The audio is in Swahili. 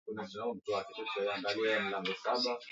a kichwa cha habari kisemacho cuf kilwa avalia sare za ccm